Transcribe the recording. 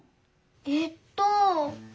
えっと。